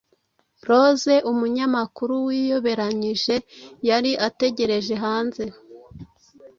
rose umunyamakuru wiyoberanyije yari ategereje hanze